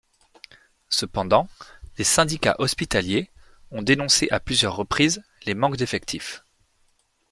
Cependant, les syndicats hospitaliers ont dénoncé à plusieurs reprises les manques d'effectifs.